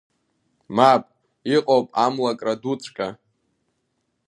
Мап, иҟоуп амлакра дуҵәҟьа.